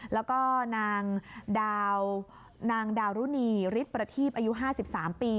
แล้วก็นางดารุณีฤทธิ์ประทีปอายุ๕๓ปี